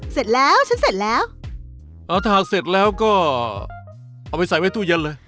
เสร็จแล้วฉันเสร็จแล้วพอถากเสร็จแล้วก็เอาไปใส่ไว้ตู้เย็นเลย